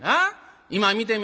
今見てみ。